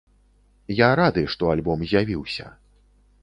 Я рады, што альбом з'явіўся.